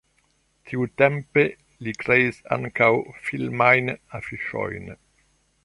Tiutempe li kreis ankaŭ filmajn afiŝojn.